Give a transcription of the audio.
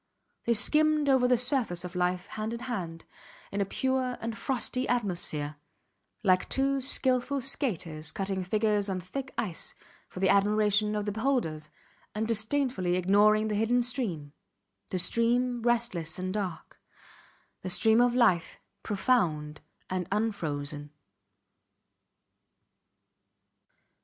They skimmed over the surface of life hand in hand, in a pure and frosty atmosphere like two skilful skaters cutting figures on thick ice for the admiration of the beholders, and disdainfully ignoring the hidden stream, the stream restless and dark; the stream of life, profound and unfrozen.